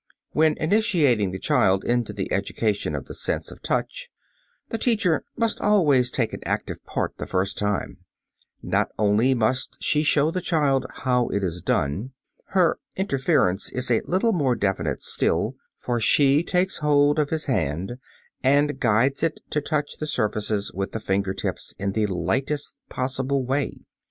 When initiating the child into the education of the sense of touch, the teacher must always take an active part the first time; not only must she show the child "how it is done," her interference is a little more definite still, for she takes hold of his hand and guides it to touch the surfaces with the finger tips in the lightest possible way.